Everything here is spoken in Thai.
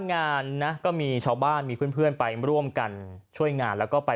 งานนะก็มีชาวบ้านมีเพื่อนไปร่วมกันช่วยงานแล้วก็ไป